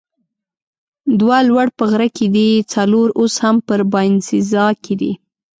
دوه لوړ په غره کې دي، څلور اوس هم په باینسیزا کې دي.